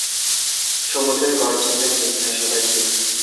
সমুদ্রের গর্জন যেন ডেকে নেয় সবাইকে।